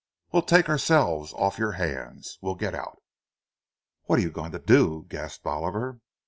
We'll take ourselves off your hands—we'll get out!" "What are you going to do?" gasped Oliver.